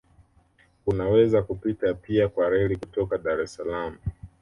Unaweza kupita pia kwa reli kutoka Dar es Salaam